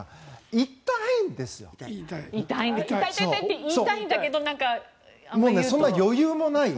痛い、痛いって言いたいんだけどそんな余裕もない。